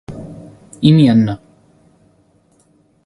именно